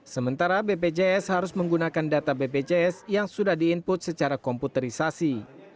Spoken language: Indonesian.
sementara bpjs harus menggunakan data bpjs yang sudah di input secara komputerisasi